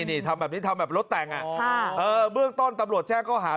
นี่ทำแบบนี้ทำแบบรถแต่งเบื้องต้นตำรวจแจ้งเขาหา